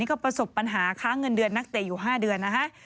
ก็ประสบปัญหาค้าเงินเดือนนักเตะอยู่๕เดือนนะคะ